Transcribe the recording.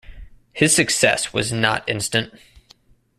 His success was not instant.